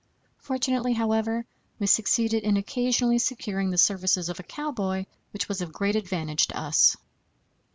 Fortunately, however, we succeeded in occasionally securing the services of a cowboy, which was of great advantage to us.